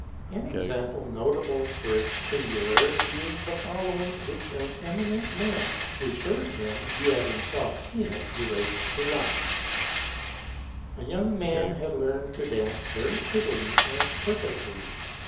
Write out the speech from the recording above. An example notable for its singularity is the following which an eminent man, who assured him he had himself seen it, re lates to Locke : A young man had learned to dance very prettily and perfectly.